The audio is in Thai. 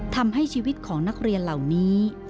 ทำให้ชีวิตของนักเรียนเหล่านี้